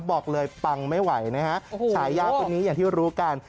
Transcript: บอกเลยปังไม่ไหวนะฮะฉายาคนนี้อย่างที่รู้กัน